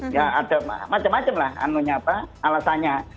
ya ada macam macam lah alasannya